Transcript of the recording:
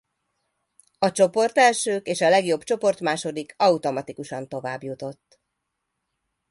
A csoportelsők és a legjobb csoportmásodik automatikusan továbbjutott.